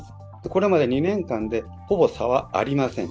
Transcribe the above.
これまで２年間で、ほぼ差はありません。